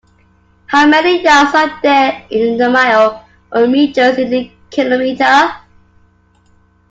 How many yards are there are in a mile, or metres in a kilometre?